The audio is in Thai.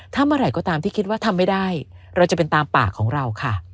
ถ้าเมื่อไหร่ก็ตามที่คิดว่าทำไม่ได้เราจะเป็นตามปากของเราค่ะ